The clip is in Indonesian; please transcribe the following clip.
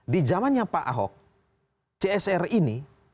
di zamannya pak ahok csr ini